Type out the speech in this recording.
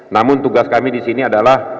namun tugas kami di sini adalah